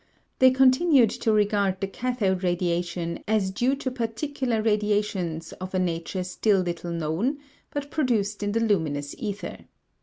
They continued to regard the cathode radiation as due to particular radiations of a nature still little known but produced in the luminous ether.